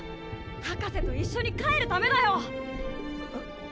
博士と一緒に帰るためだよ！